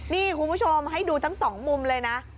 นี่คุณผู้ชมให้ดูทั้งสองมุมเลยนะ